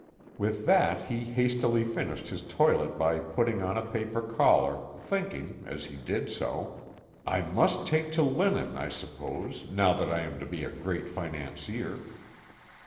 _" With that he hastily finished his toilet by putting on a paper collar, thinking, as he did so: "I must take to linen, I suppose, now that I am to be a great financier."